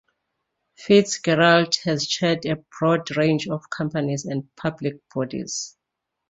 FitzGerald has chaired a broad range of companies and public bodies.